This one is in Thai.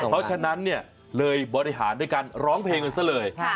เพราะฉะนั้นเนี่ยเลยบริหารด้วยการร้องเพลงกันซะเลย